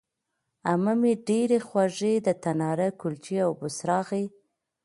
عمه مې ډېرې خوږې د تناره کلچې او بوسراغې